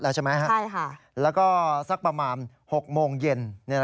แล้วก็สักประมาณ๖โมงเย็น